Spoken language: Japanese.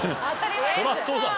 そりゃそうだろ。